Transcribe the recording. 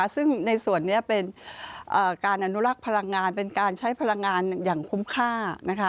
ซึ่งในส่วนนี้เป็นการอนุรักษ์พลังงานเป็นการใช้พลังงานอย่างคุ้มค่า